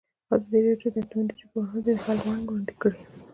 ازادي راډیو د اټومي انرژي پر وړاندې د حل لارې وړاندې کړي.